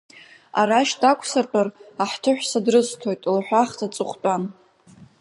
Арашь дақәсыртәар, аҳҭыҳәса дрысҭоит, лҳәахт аҵыхәтәан.